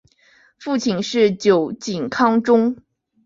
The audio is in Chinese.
父亲是酒井康忠。